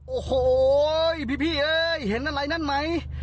โอ้โฮพี่เห็นอะไรนั่นไหม